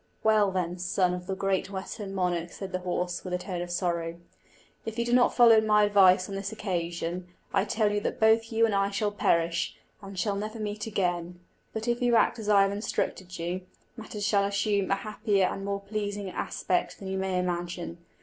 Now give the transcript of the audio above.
"Well, then, son of the great western monarch," said the horse, with a tone of sorrow, "if you do not follow my advice on this occasion, I tell you that both you and I shall perish, and shall never meet again; but, if you act as I have instructed you, matters shall assume a happier and more pleasing aspect than you may imagine.